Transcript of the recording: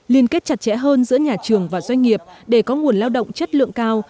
liên kết chặt chẽ hơn giữa nhà trường và doanh nghiệp để có nguồn lao động chất lượng cao